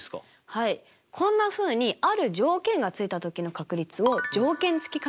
はいこんなふうにある条件が付いた時の確率を「条件付き確率」というんです。